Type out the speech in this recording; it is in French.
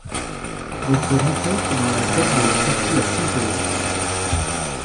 Elle se rencontre dans la grotte de la Tortue à Saint-Paul.